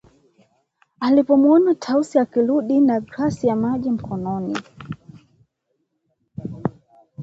alipomuona Tausi akirudi na glasi ya maji mkononi